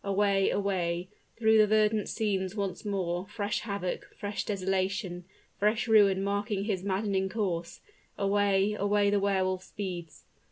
Away, away, through the verdant scenes once more, fresh havoc fresh desolation fresh ruin marking his maddening course, away, away the Wehr Wolf speeds.